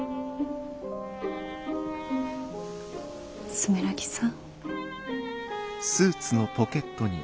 住良木さん。